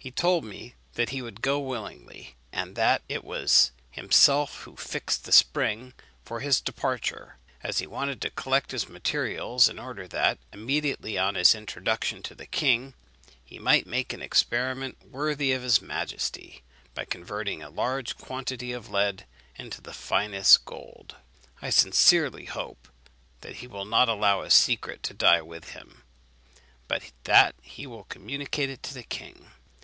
He told me that he would go willingly, and that it was himself who fixed the spring for his departure; as he wanted to collect his materials, in order that, immediately on his introduction to the king, he might make an experiment worthy of his majesty, by converting a large quantity of lead into the finest gold. I sincerely hope that he will not allow his secret to die with him, but that he will communicate it to the king.